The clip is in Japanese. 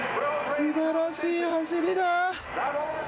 すばらしい走りだ。